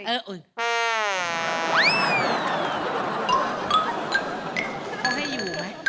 เขาให้อยู่ไหม